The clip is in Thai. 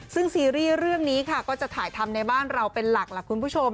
ซึ่งซีรีส์เรื่องนี้ค่ะก็จะถ่ายทำในบ้านเราเป็นหลักล่ะคุณผู้ชม